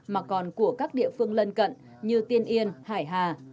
mà còn của các địa phương lân cận như tiên yên hải hà